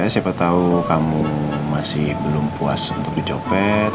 siapa tahu kamu masih belum puas untuk dicopet